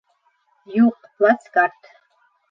Юҡ, плацкарт